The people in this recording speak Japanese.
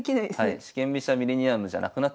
四間飛車ミレニアムじゃなくなっちゃう。